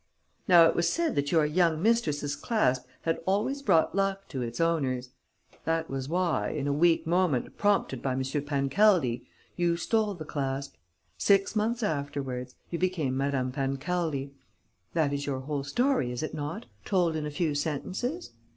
Now it was said that your young mistress' clasp had always brought luck to its owners. That was why, in a weak moment prompted by M. Pancaldi, you stole the clasp. Six months afterwards, you became Madame Pancaldi.... That is your whole story, is it not, told in a few sentences?